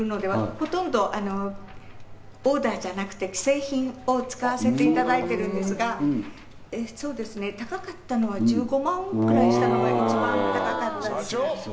ほとんどオーダーじゃなくて既製品を使わせていただいてるんですが１５万くらいしたのが一番高かったですかね。